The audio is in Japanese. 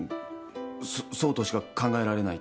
そそうとしか考えられないって。